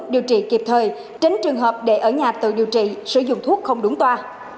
điều trị kịp thời tránh trường hợp để ở nhà tự điều trị sử dụng thuốc không đúng toa